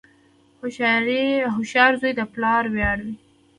• هوښیار زوی د پلار ویاړ وي.